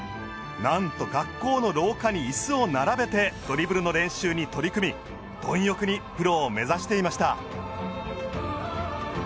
なんと学校の廊下に椅子を並べてドリブルの練習に取り組み貪欲にプロを目指していました。